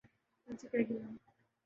ان سے کیا گلہ۔